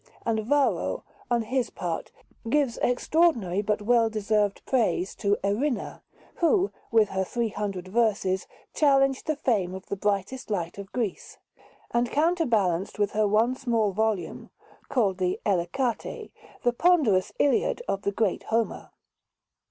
And Varro, on his part, gives extraordinary but well deserved praise to Erinna, who, with her three hundred verses, challenged the fame of the brightest light of Greece, and counterbalanced with her one small volume, called the "Elecate," the ponderous "Iliad" of the great Homer.